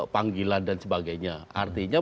panggilan dan sebagainya artinya